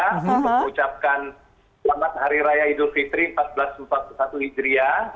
untuk mengucapkan selamat hari raya idul fitri seribu empat ratus empat puluh satu hijriah